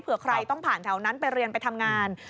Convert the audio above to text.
ใครต้องผ่านแถวนั้นไปเรียนไปทำงาน